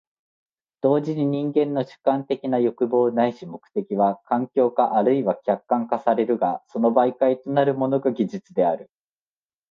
同時に人間の主観的な欲望ないし目的は環境化或いは客観化されるが、その媒介となるものが技術である。